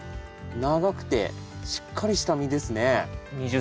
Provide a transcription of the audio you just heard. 長くてしっかりした実ですね。